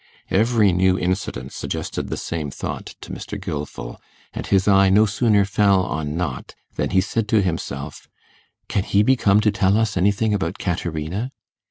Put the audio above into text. Every new incident suggested the same thought to Mr. Gilfil; and his eye no sooner fell on Knott than he said to himself, 'Can he be come to tell us anything about Caterina?